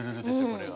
これは。